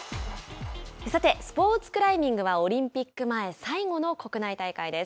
さてスポーツクライミングはオリンピック前最後の国内大会です。